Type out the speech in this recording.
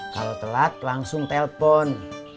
kalau telat langsung telpon